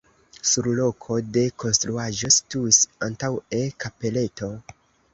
Sur loko de konstruaĵo situis antaŭe kapeleto.